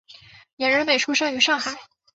严仁美出生于上海。